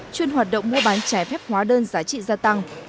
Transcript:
chuyên hoạt động mua bán trái phép hóa đơn giá trị gia tăng